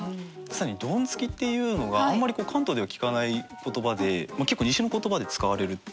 更に「ドンつき」っていうのがあんまり関東では聞かない言葉で結構西の言葉で使われるっていう。